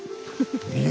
え？